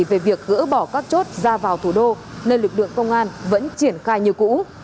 về việc gỡ bỏ các chốt ra vào thủ đô nên lực lượng công an vẫn triển khai như cũ